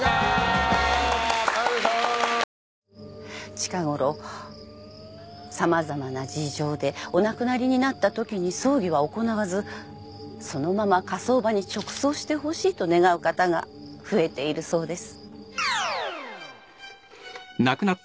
近ごろ様々な事情でお亡くなりになったときに葬儀は行わずそのまま火葬場に直葬してほしいと願う方が増えているそうです。